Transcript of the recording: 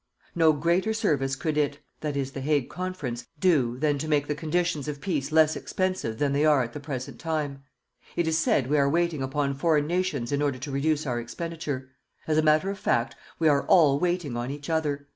No greater service could it (the Hague Conference) do, than to make the conditions of peace less expensive than they are at the present time.... It is said we are waiting upon foreign nations in order to reduce our expenditure. As a matter of fact, we are all waiting on each other.